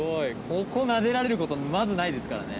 ここなでられる事まずないですからね。